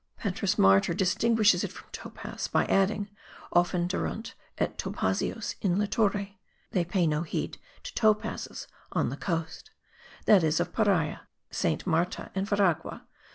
Petrus Martyr distinguishes it from topaz by adding offenderunt et topazios in littore, [they pay no heed to topazes on the coast] that is of Paria, Saint Marta and Veragua.